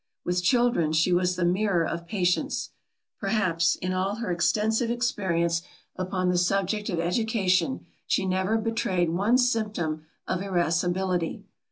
With children she was the mirror of patience. Perhaps, in all her extensive experience upon the subject of education, she never betrayed one symptom of irascibility.